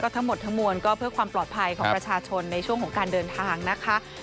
ทั้งหมดทั้งมวลก็เพื่อความปลอดภัยของประชาชนในช่วงของการเดินทางนะคะ